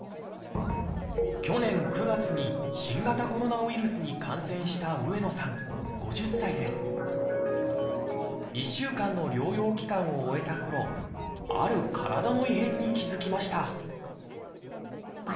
去年９月に新型コロナウイルスに感染した１週間の療養期間を終えたころある体の異変に気付きました